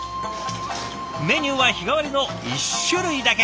メニューは日替わりの１種類だけ。